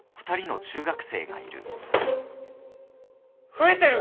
・増えてる！